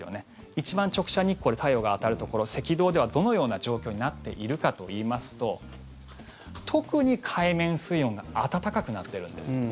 一番、直射日光で太陽が当たるところ赤道ではどのような状況になっているかといいますと特に海面水温が暖かくなっているんです。